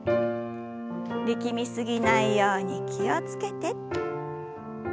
力み過ぎないように気を付けて。